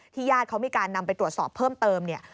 ญาติเขามีการนำไปตรวจสอบเพิ่มเติมเนี่ย